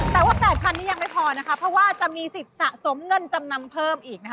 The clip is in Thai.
แต่ว่า๘๐๐นี้ยังไม่พอนะคะเพราะว่าจะมีสิทธิ์สะสมเงินจำนำเพิ่มอีกนะคะ